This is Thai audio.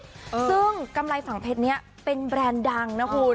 ซึ่งกำไรฝั่งเพชรนี้เป็นแบรนด์ดังนะคุณ